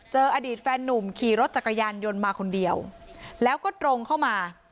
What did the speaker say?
อดีตแฟนนุ่มขี่รถจักรยานยนต์มาคนเดียวแล้วก็ตรงเข้ามา